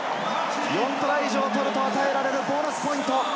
４トライ以上取ると与えられるボーナスポイント。